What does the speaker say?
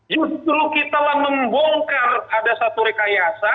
justru kitalah membongkar ada satu rekayasa